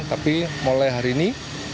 tapi mulai hari ini